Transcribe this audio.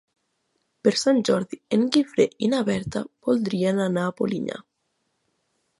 Per Sant Jordi en Guifré i na Berta voldrien anar a Polinyà.